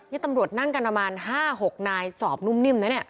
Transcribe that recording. นี่ตำรวจนั่งกันประมาณ๕๖นายสอบนุ่มนิ่มนะเนี่ย